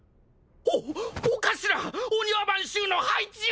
お御頭御庭番衆の配置を！